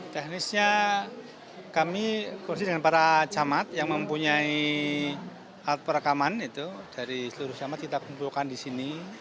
teknisnya kami kursi dengan para camat yang mempunyai alat perekaman itu dari seluruh camat kita kumpulkan di sini